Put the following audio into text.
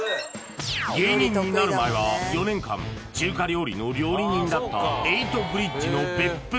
芸人になる前は４年間中華料理の料理人だったエイトブリッジの別府